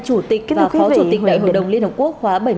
chủ tịch và phó chủ tịch đại hội đồng liên hợp quốc khóa bảy mươi